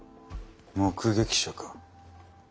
目撃者か。